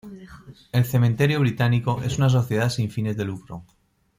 El Cementerio Británico es una sociedad sin fines de lucro.